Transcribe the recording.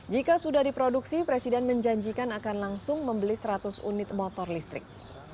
jika sudah diproduksi presiden menjanjikan akan langsung membeli seratus unit motor listrik